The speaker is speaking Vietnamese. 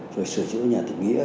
rồi sửa chữa nhà tỉnh nghĩa